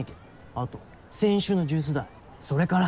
あと先週のジュース代それから。